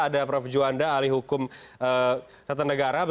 ada prof juwanda ahli hukum satuan negara